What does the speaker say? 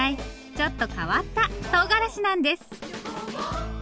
ちょっと変わったとうがらしなんです。